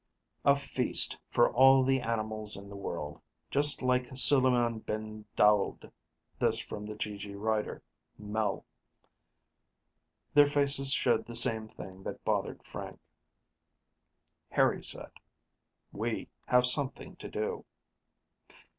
"A feast, for all the animals in the world just like Suleiman bin Daoud." This, from the GG writer, Mel. Their faces showed the same thing that bothered Frank. Harry said, "We have something to do."